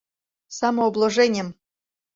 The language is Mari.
Самообложеньым!..